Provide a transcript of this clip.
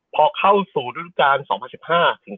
พอเข้าสู่ธุรกา๒๐๑๕ถึง๒๐๑๖